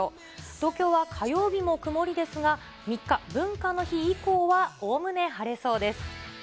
東京は火曜日も曇りですが、３日文化の日以降は、おおむね晴れそうです。